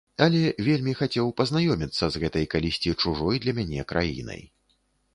Але вельмі хацеў пазнаёміцца з гэтай калісьці чужой для мяне краінай.